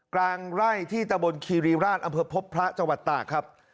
กลางไร่ที่ตะบนคีรีราชอำเภอพบพระจังหวัดตากครับ